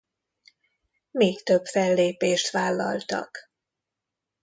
Még több fellépést vállaltak.